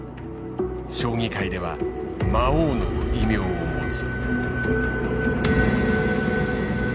将棋界では魔王の異名を持つ。